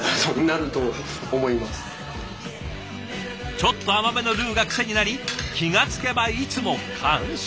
ちょっと甘めのルーが癖になり気が付けばいつも完食。